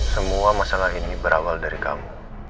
semua masalah ini berawal dari kamu